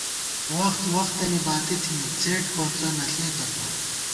وخت وختَنی باتی تھنی څېڈ کوڅہ نہ ݪېتہ تو